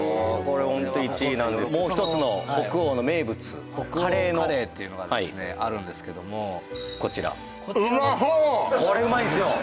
これホント１位なんですもう１つの北欧の名物北欧カレーっていうのがあるんですけどもこちらこれうまいんすよ！